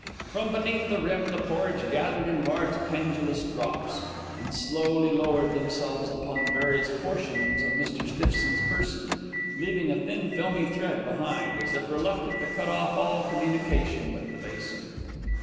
From beneath the rim the porridge gathered in large pendulous drops, and slowly lowered themselves upon various portions of Mr. Stiffson's person, leaving a thin filmy thread behind, as if reluctant to cut off all communication with the basin.